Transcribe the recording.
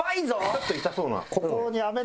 ちょっと痛そうな。